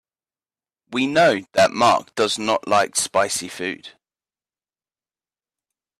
We know that Mark does not like spicy food.